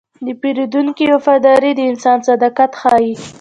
د پیرودونکي وفاداري د انسان صداقت ښيي.